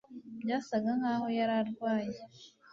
byasaga nkaho yari arwaye